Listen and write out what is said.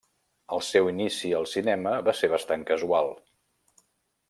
El seu inici al cinema va ser bastant casual.